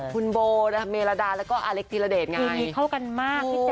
คุณโบเมลดาแล้วก็อเล็กท์ธีระเดชไงพี่แจ๊คคิดมีเข้ากันมาก